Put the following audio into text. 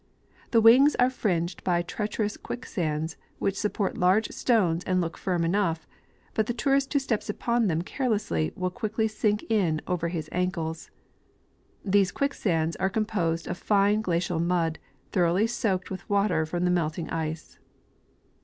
The wings are fringed by treacherous ciuicksands, which support large stones and look firm enough ; but the tourist who steps upon them carelessly will quickly sink in over his ankles. These quicksands are com posed of fine glacial mud, thoroughly soaked with water from the melting ice.